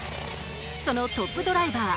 そのトップドライバー